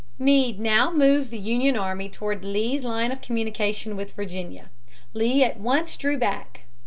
Meade now moved the Union army toward Lee's line of communication with Virginia. Lee at once drew back.